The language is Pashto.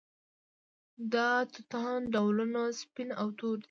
د توتانو ډولونه سپین او تور دي.